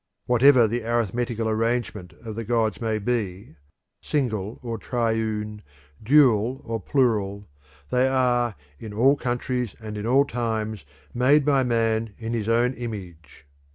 Whatever the arithmetical arrangement of the gods may be single or triune, dual or plural they are in all countries and in all times made by man in his own image.